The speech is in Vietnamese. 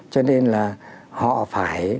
cho nên là họ phải